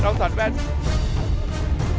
เฮ่น้องช้างแต่ละเชือกเนี่ย